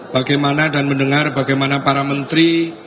bagaimana dan mendengar bagaimana para menteri